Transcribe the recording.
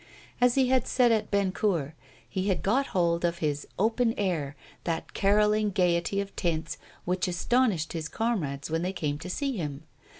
As he had said at Bennecourt, he had got hold of his 'open air,' that carolling gaiety of tints which astonished his comrades when they came to see him.